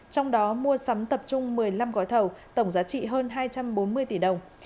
trong đó mua sắm tập trung một mươi năm gói thầu tổng giá trị hơn hai trăm bốn mươi tỷ đồng